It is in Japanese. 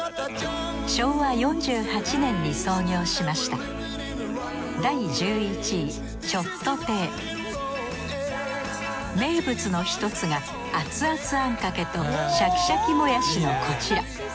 昭和４８年に創業しました名物のひとつがアツアツあんかけとシャキシャキモヤシのこちら。